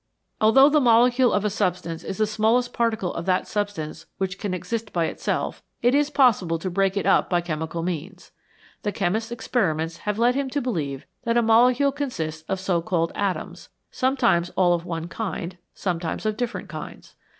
Although the molecule of a substance is the smallest particle of that substance which can exist by itself, it is possible to break it up by chemical means. The chemist's experiments have led him to believe that a molecule consists of so called atoms, sometimes all of one kind, sometimes of different kinds.